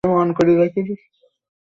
আর ভাল্লেগা না।